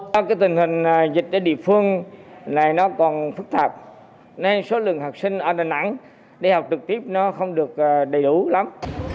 trong tình hình dịch ở địa phương này nó còn phức tạp nên số lượng học sinh ở đà nẵng đi học trực tiếp nó không được đầy đủ lắm